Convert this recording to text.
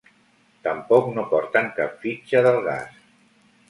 Tampoc no porten cap fitxa del gas.